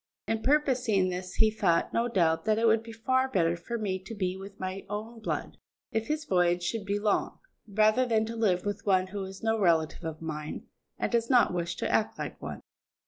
In purposing this he thought, no doubt, that it would be far better for me to be with my own blood, if his voyage should be long, rather than to live with one who is no relative of mine, and does not wish to act like one.